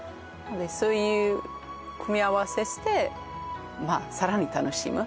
そういう組み合わせしてさらに楽しむ